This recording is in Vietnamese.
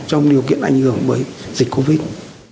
trong điều kiện ảnh hưởng với dịch covid